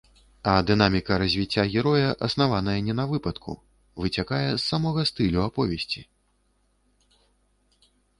А дынаміка развіцця героя, аснаваная не на выпадку, выцякае з самога стылю аповесці.